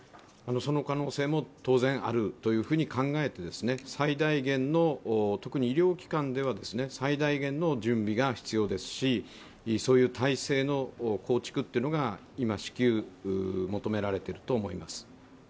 その可能性も当然あるというふうに考えて特に医療機関では最大限の準備が必要ですしそういう体制の構築が今、至急求められていると思います。